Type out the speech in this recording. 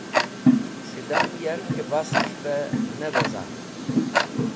Sidam yarkẽ basẽsh bẽ ne weza?